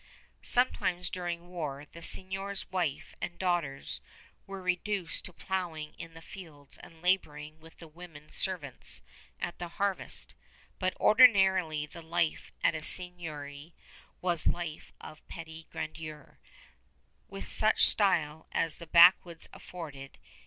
Sometimes during war the seignior's wife and daughters were reduced to plowing in the fields and laboring with the women servants at the harvest; but ordinarily the life at the seigniory was a life of petty grandeur, with such style as the backwoods afforded.